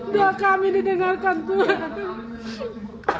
doa kami didengarkan tuhan